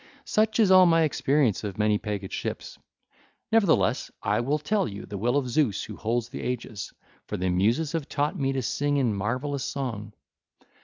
Such is all my experience of many pegged ships; nevertheless I will tell you the will of Zeus who holds the aegis; for the Muses have taught me to sing in marvellous song.